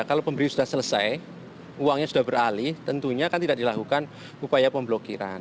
kalau pemberi sudah selesai uangnya sudah beralih tentunya kan tidak dilakukan upaya pemblokiran